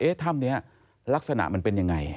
ถ้ำนี้ลักษณะมันเป็นยังไง